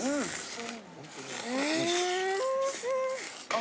あ。